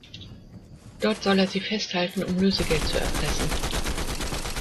Dort soll er sie festhalten um Lösegeld zu erpressen.